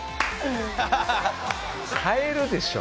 買えるでしょ！